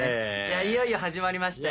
いよいよ始まりましたよ。